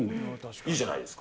いいじゃないですか。